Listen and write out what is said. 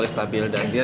kau mau menangis ya